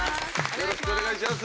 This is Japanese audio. よろしくお願いします。